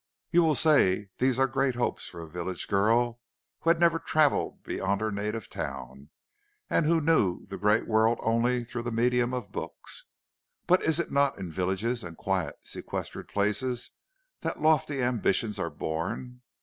"You will say these are great hopes for a village girl who had never travelled beyond her native town, and who knew the great world only through the medium of books. But is it not in villages and quiet sequestered places that lofty ambitions are born?